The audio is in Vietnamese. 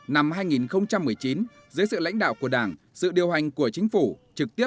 năm hai nghìn một mươi chín dưới sự lãnh đạo của đảng sự điều hành của chính phủ